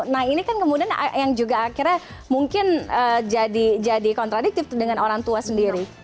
nah ini kan kemudian yang juga akhirnya mungkin jadi kontradiktif dengan orang tua sendiri